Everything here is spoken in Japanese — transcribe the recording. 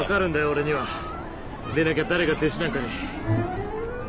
俺には。でなきゃ誰が弟子なんかに。